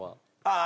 ああ